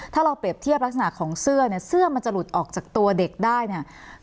ถ้าเราเปรียบเทียบลักษณะของเสื้อเนี่ยเสื้อมันจะหลุดออกจากตัวเด็กได้เนี่ย